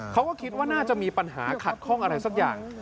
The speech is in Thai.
เขาก็คิดว่าน่าจะมีปัญหาขัดข้องอะไรสักอย่าง